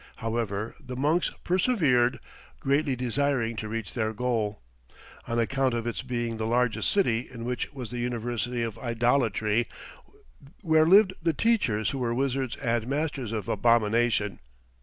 However, the monks persevered, greatly desiring to reach their goal, "on account of its being the largest city in which was the University of Idolatry, where lived the teachers who were wizards and masters of abomination."